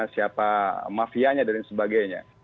siapa mafianya dan sebagainya